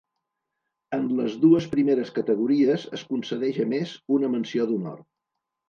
En les dues primeres categories es concedeix a més una menció d'honor.